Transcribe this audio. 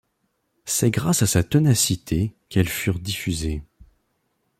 C'est grâce à sa ténacité qu'elles furent diffusées.